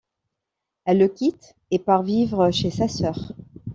Elle le quitte et part vivre chez sa sœur.